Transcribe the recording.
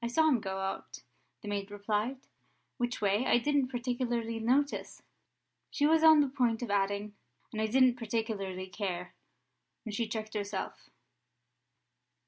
"I saw him go out," the maid replied. "Which way I didn't particularly notice " She was on the point of adding, "and I didn't particularly care," when she checked herself.